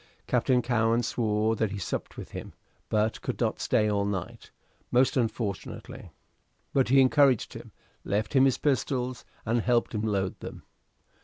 Captain Cowen swore that he supped with him, but could not stay all night, most unfortunately. But he encouraged him, left him his pistols, and helped him load them.